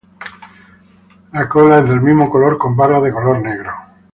La cola es del mismo color con barras de color negro.